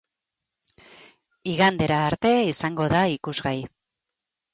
Igandera arte izango da ikusgai.